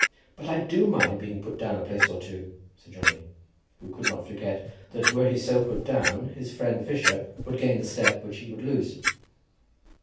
"But I do mind being put down a place or two," said Johnny, who could not forget that were he so put down his friend Fisher would gain the step which he would lose.